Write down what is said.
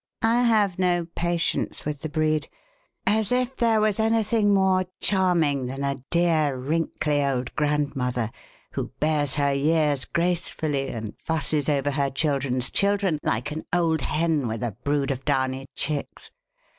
"I have no patience with the breed! As if there was anything more charming than a dear, wrinkly old grandmother who bears her years gracefully and fusses over her children's children like an old hen with a brood of downy chicks.